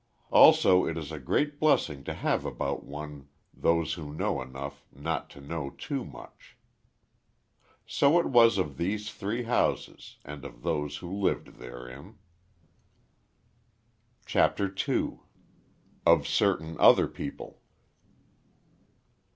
Also, it is a great blessing to have about one those who know enough not to know too much. So it was of the three houses, and of those who lived therein. CHAPTER TWO. OF CERTAIN OTHER PEOPLE.